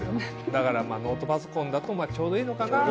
だからノートパソコンだとちょうどいいのかな？